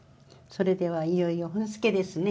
それではいよいよ本漬けですね。